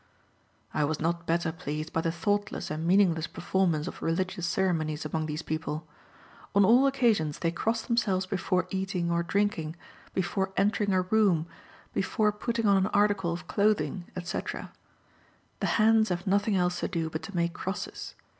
I was not better pleased by the thoughtless and meaningless performance of religious ceremonies among these people. On all occasions, they cross themselves before eating or drinking, before entering a room, before putting on an article of clothing, etc. The hands have nothing else to do but to make crosses.